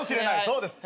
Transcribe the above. そうです。